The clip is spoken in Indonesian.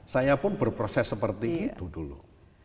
saya pun berproses seperti itu dulu